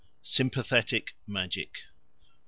III. Sympathetic Magic 1.